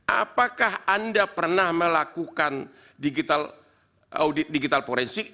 apakah anda pernah melakukan digital forensik